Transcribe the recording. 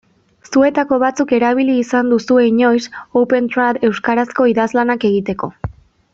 Zuetako batzuk erabili izan duzue inoiz Opentrad euskarazko idazlanak egiteko.